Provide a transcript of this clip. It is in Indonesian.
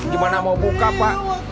gimana mau buka pak